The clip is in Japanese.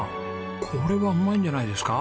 これはうまいんじゃないですか？